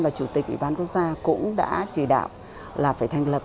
là chủ tịch ủy ban quốc gia cũng đã chỉ đạo là phải thành lập